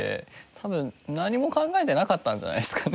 多分何も考えてなかったんじゃないですかね。